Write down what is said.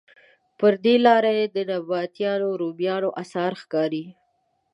پر دې لاره د نبطیانو، رومیانو اثار ښکاري.